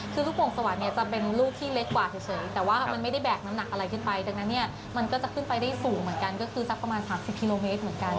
คือลูกโป่งสวรรค์เนี่ยจะเป็นลูกที่เล็กกว่าเฉยแต่ว่ามันไม่ได้แบกน้ำหนักอะไรขึ้นไปดังนั้นเนี่ยมันก็จะขึ้นไปได้สูงเหมือนกันก็คือสักประมาณ๓๐กิโลเมตรเหมือนกัน